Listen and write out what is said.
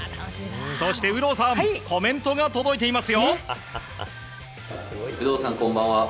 そして有働さんコメントが届いています。